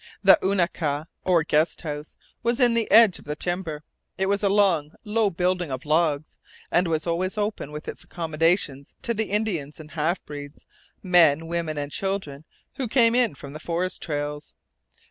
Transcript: The una kah, or guest house, was in the edge of the timber. It was a long, low building of logs, and was always open with its accommodations to the Indians and half breeds men, women, and children who came in from the forest trails.